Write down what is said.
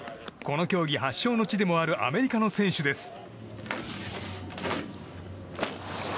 この競技発祥の地でもあるアメリカの選手です。